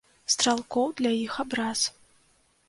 Стралкоў для іх абраз.